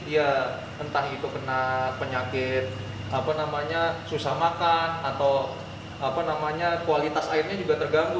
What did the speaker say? ya entah itu kena penyakit apa namanya susah makan atau kualitas airnya juga terganggu